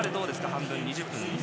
半分、２０分で。